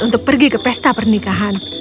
untuk pergi ke pesta pernikahan